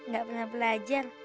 gak pernah pelajar